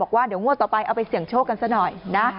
ว่าเดี๋ยวงวดต่อไปเอาไปเสี่ยงโชคกันซะหน่อยนะ